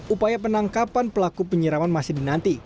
upaya penangkapan pelaku penyiraman masih dinanti